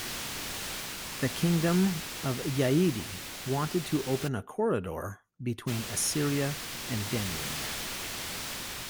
The Kingdom of Ya'idi wanted to open a corridor between Assyria and Denyen.